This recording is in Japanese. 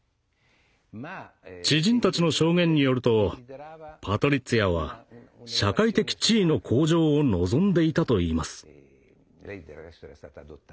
知人たちの証言によるとパトリッツィアは社会的地位の向上を望んでいたといいます。